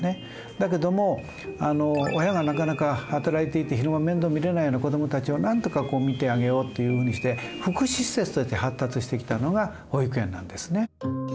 だけども親がなかなか働いていて昼間面倒見れないような子どもたちをなんとかこう見てあげようっていうふうにして福祉施設として発達してきたのが保育園なんですね。